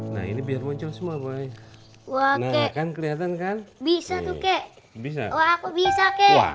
nah ini biar muncul semua baik wang akan kelihatan kan bisa tuh kek bisa aku bisa kek